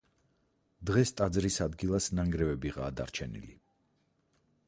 დღეს ტაძრის ადგილას ნანგრევებიღაა დარჩენილი.